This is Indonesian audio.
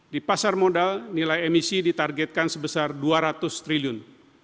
di pasar modal nilai emisi ditargetkan sebesar dua ratus triliun